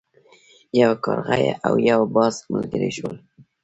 یو کارغه او یو باز ملګري شول.